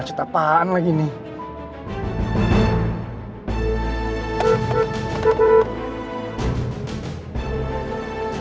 fahri harus tau nih